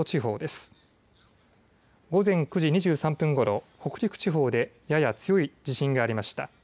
午前９時２３分ごろ、北陸地方でやや強い地震がありました。